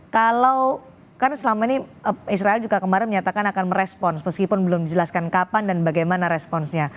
kalau kan selama ini israel juga kemarin menyatakan akan merespons meskipun belum dijelaskan kapan dan bagaimana responsnya